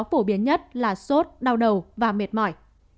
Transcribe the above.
phổ biến nhất là sốt đau đầu và mệt mỏi